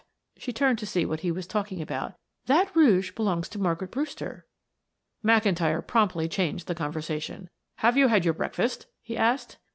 She turned to see what he was talking about. "That rouge belongs to Margaret Brewster." McIntyre promptly changed the conversation. "Have you had your breakfast?" he asked.